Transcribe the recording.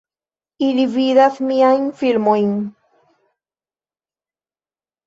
Ili vidas miajn filmojn